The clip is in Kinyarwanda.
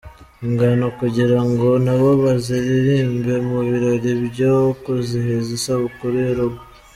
ingano kugira ngo nabo bazaririmbe mu birori byo kwizihiza isabukuru yurugo.